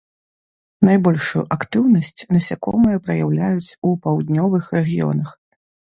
Найбольшую актыўнасць насякомыя праяўляюць у паўднёвых рэгіёнах.